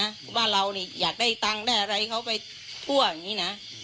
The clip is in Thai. เพราะว่าเรานี่อยากได้ตังค์ได้อะไรเขาไปทั่วอย่างนี้นะ